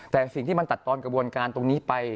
แต่สิ่งที่มันตัดตอนกระบวนการตรงนี้ไป